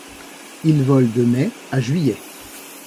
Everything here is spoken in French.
Il vole de mai à juillet.